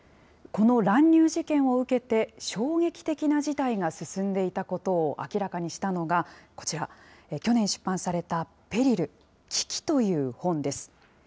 この乱入事件を受けて、衝撃的な事態が進んでいたことを明らかにしたのが、こちら、去年出版されたＰＥＲＩＬ・危機という本です。